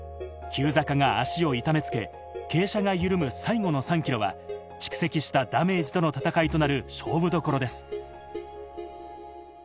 急坂が足を痛め付け、傾斜が緩む最後の３ｋｍは蓄積したダメージとの戦いとなる勝負どころです。